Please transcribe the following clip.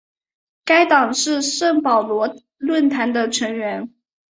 该党是圣保罗论坛的成员。